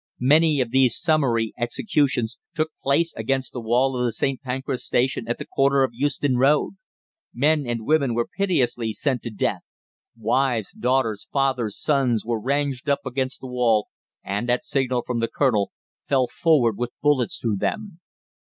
Many of these summary executions took place against the wall of the St. Pancras Station at the corner of Euston Road. Men and women were pitilessly sent to death. Wives, daughters, fathers, sons were ranged up against that wall, and, at signal from the colonel, fell forward with bullets through them.